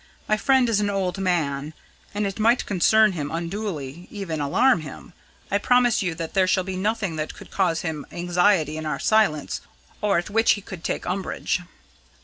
My friend is an old man, and it might concern him unduly even alarm him. I promise you there shall be nothing that could cause him anxiety in our silence, or at which he could take umbrage."